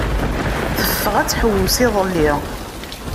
Teffeɣ ad tḥewwes iḍelli.